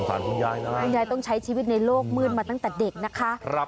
คุณยายนะคุณยายต้องใช้ชีวิตในโลกมืดมาตั้งแต่เด็กนะคะ